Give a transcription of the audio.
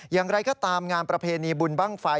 อย่างไรก็ตามงานประเพณีบุญบ้างไฟ